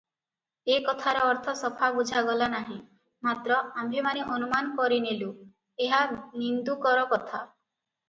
ଏ କଥାର ଅର୍ଥ ସଫା ବୁଝାଗଲା ନାହିଁ, ମାତ୍ର ଆମ୍ଭେମାନେ ଅନୁମାନ କରିନେଲୁ, ଏହା ନିନ୍ଦୁକର କଥା ।